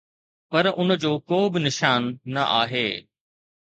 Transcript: پر ان جو ڪو به نشان نه آهي